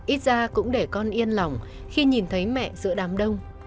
ít ra cũng để con yên lòng khi nhìn thấy mẹ giữa đám đông